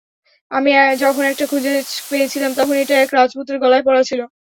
আমি যখন এটা খুঁজে পেয়েছিলাম, তখন এটা এক রাজপুত্রের গলায় পরা ছিল।